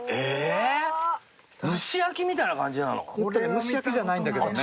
蒸し焼きじゃないんだけどもね。